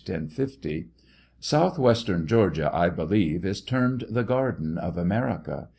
1050 :) Southwestern Georgia, I believe, is termed the garden of America.